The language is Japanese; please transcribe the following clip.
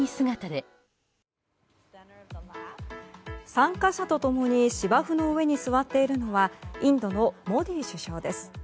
参加者と共に芝生の上に座っているのはインドのモディ首相です。